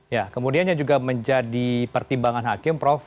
ya kemudian yang juga menjadi pertimbangan hakim prof